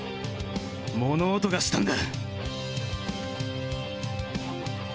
物音がしたんだ！